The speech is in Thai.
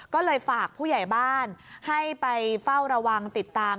ก็เลยฝากผู้ใหญ่บ้านให้ไปเฝ้าระวังติดตาม